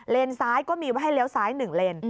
ซ้ายก็มีไว้ให้เลี้ยวซ้าย๑เลน